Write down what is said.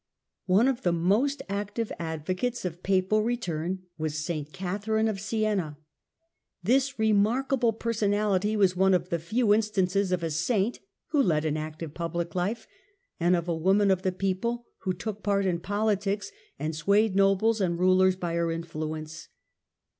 St. One of the most active advocates of Papal return ofSieua was St. Catherine of Siena. This remarkable person ality was one of the few instances of a saint who led an active public Hfe, and of a woman of the people who took part in politics, and swayed nobles and rulers by her influence.